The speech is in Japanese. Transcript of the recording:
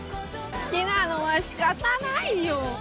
「好きなのは仕方ないよ」